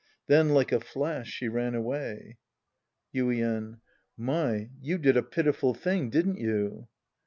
Then, like a flash, she ran away. Yiiien. My, you did a pitiful thing, didn't you